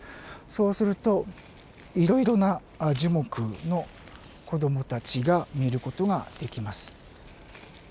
そうするといろいろな樹木の子どもたちが見る事ができます。